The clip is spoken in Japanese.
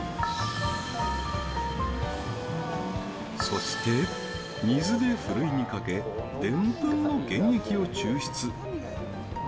そして水でふるいにかけデンプンの原液を抽出。